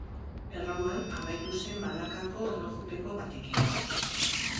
Erroman amaitu zen banakako erlojupeko batekin.